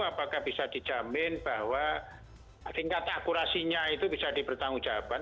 apakah bisa dijamin bahwa tingkat akurasinya itu bisa dipertanggungjawabkan